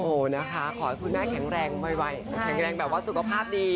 นะคะขอให้คุณแม่แข็งแรงไวแข็งแรงแบบว่าสุขภาพดี